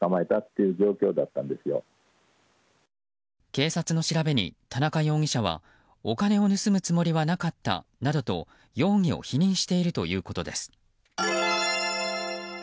警察の調べに田中容疑者はお金を盗むつもりはなかったなどと、容疑を否認しているということです。